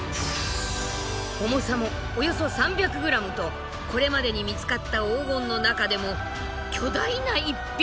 重さもおよそ３００ｇとこれまでに見つかった黄金の中でも巨大な一品。